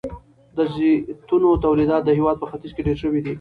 د زیتونو تولیدات د هیواد په ختیځ کې ډیر شوي دي.